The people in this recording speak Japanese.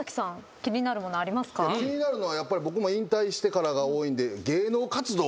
気になるのはやっぱり僕も引退してからが多いんで芸能活動。